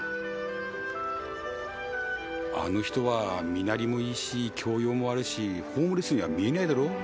あの人は身なりもいいし教養もあるしホームレスには見えないだろ？